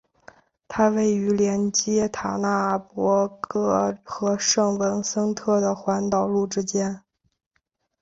它位于连接塔纳帕格和圣文森特的环岛路之间。